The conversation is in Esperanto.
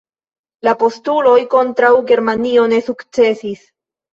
La postuloj kontraŭ Germanio ne sukcesis.